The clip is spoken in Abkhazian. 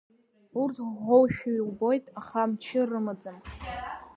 Урҭ ӷәӷәоушәа иубоит, аха мчы рымаӡам…